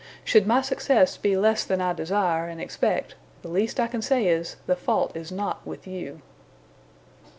Should my success be less than I desire and expect, the least I can say is, the fault is not with you."